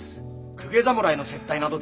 公家侍の接待などできません。